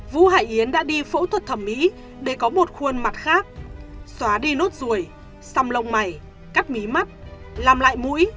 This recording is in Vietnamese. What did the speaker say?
vũ hải yến đã đi phẫu thuật thẩm mỹ để có một khuôn mặt khác xóa đi nốt ruồi xăm lông mày cắt mí mắt làm lại mũi